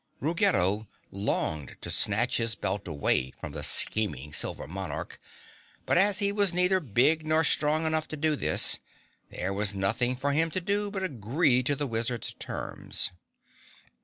Ruggedo longed to snatch his belt away from the scheming Silver Monarch, but as he was neither big or strong enough to do this, there was nothing for him to do but agree to the wizard's terms.